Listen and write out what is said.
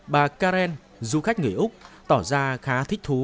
bà karen du khách người úc tỏ ra khá thích thú